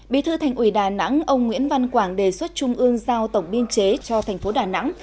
bí thư thành ủy đà nẵng ông nguyễn văn quảng đề xuất trung ương giao tổng biên chế cho thành phố đà nẵng